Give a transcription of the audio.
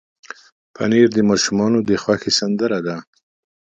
پنېر د ماشومانو د خوښې سندره ده.